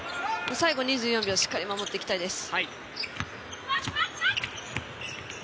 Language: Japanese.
最後２４秒しっかり守っていきたいです。